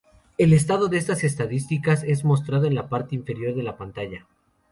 El estado de estas estadísticas es mostrado en la parte inferior de la pantalla.